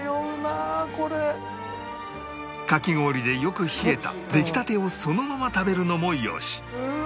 かき氷でよく冷えた出来たてをそのまま食べるのもよし